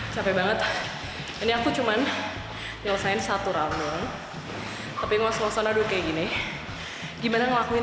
capek banget ini aku cuman nyelesain satu rall tapi ngos ngosan aduh kayak gini gimana ngelakuin